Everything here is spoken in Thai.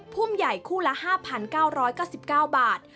พุ่งใหญ่คู่ละ๕๙๙๙บาท